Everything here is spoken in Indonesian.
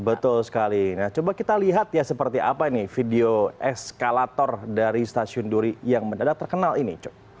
betul sekali nah coba kita lihat ya seperti apa ini video eskalator dari stasiun duri yang mendadak terkenal ini